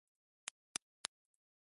ガム